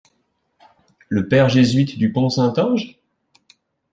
Le Père jésuite du Pont Saint-Ange?